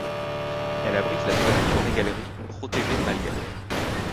Elle abrite la seule forêt-galerie protégée malgache.